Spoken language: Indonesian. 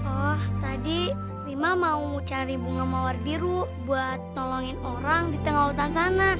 oh tadi rima mau cari bunga mawar biru buat tolongin orang di tengah hutan sana